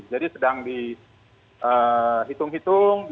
jadi sedang dihitung hitung